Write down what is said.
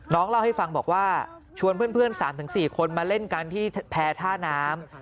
เล่าให้ฟังบอกว่าชวนเพื่อน๓๔คนมาเล่นกันที่แพร่ท่าน้ำ